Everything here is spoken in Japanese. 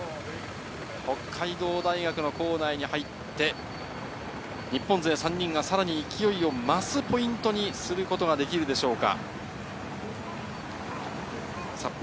北海道大学の構内に入って、日本勢３人がさらに勢いを増すポイントにすることができるでしょうか。